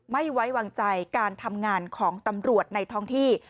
ไม่ไว้วางใจการทำงานของตำรวจในท้องที่